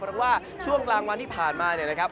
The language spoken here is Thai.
เพราะว่าช่วงกลางวันที่ผ่านมาเนี่ยนะครับ